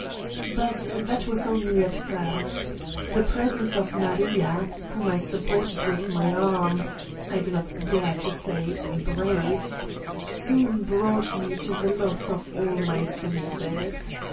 But that was only at first: the presence of Maria, whom I supported with my arm (I do not dare say embraced!) soon brought me to the loss of all my senses.